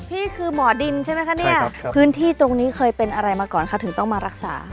พี่คือหมอดินใช่ไหมคะเนี่ยพื้นที่ตรงนี้เคยเป็นอะไรมาก่อนคะถึงต้องมารักษา